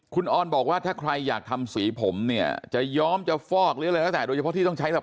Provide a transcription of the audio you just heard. คุณออนบอกว่าถ้าใครอยากทำสีผมเนี่ยจะย้อมจะฟอกหรืออะไรแล้วแต่โดยเฉพาะที่ต้องใช้หลัก